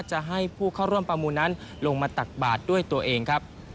จะให้ผู้เข้าร่วมประมูลนั้นลงมาตักบาทด้วยตัวเองครับ